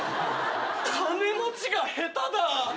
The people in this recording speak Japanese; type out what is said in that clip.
金持ちが下手だ。